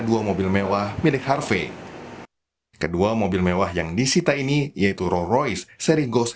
dua mobil mewah milik harvey kedua mobil mewah yang disita ini yaitu roll royce seri gos